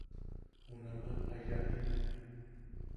Junaman ayajine.